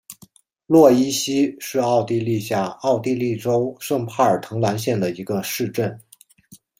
洛伊希是奥地利下奥地利州圣帕尔滕兰县的一个市镇。